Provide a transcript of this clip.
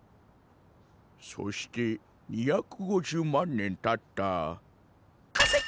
そして２５０万年たった化石ン！